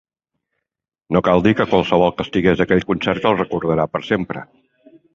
No cal dir que qualsevol que estigués a aquell concert el recordarà per sempre.